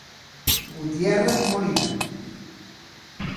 Gutiérrez Molina.